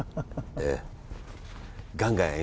ええ。